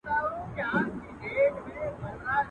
پلو مي باد واخیست وړیا دي ولیدمه.